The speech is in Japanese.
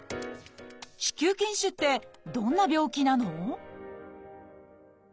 「子宮筋腫」ってどんな病気なの？